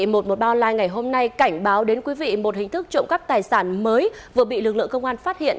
một báo online ngày hôm nay cảnh báo đến quý vị một hình thức trộm cắp tài sản mới vừa bị lực lượng công an phát hiện